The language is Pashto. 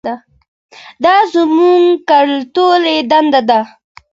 دا زموږ کلتوري دنده ده.